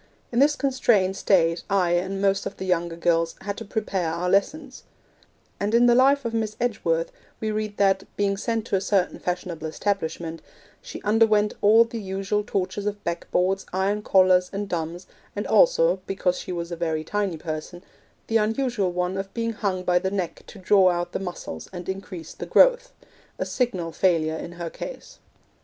In this constrained state I and most of the younger girls had to prepare our lessons'; and in the life of Miss Edgeworth we read that, being sent to a certain fashionable establishment, 'she underwent all the usual tortures of back boards, iron collars and dumbs, and also (because she was a very tiny person) the unusual one of being hung by the neck to draw out the muscles and increase the growth,' a signal failure in her case.